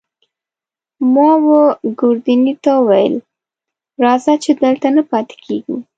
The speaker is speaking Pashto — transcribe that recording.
ما وه ګوردیني ته وویل: راځه، چې دلته نه پاتې کېږو.